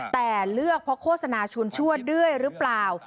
แต่เลือกเพราะโฆษณาชวนชั่วด้วยหรือเปล่า